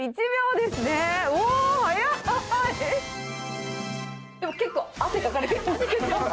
でも結構、汗かかれてますけど。